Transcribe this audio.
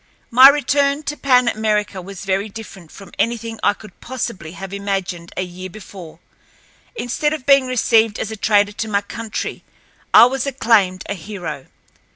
My return to Pan America was very different from anything I could possibly have imagined a year before. Instead of being received as a traitor to my country, I was acclaimed a hero.